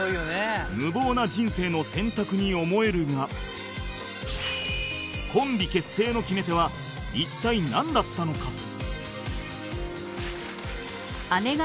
無謀な人生の選択に思えるがコンビ結成の決め手は一体なんだったのか？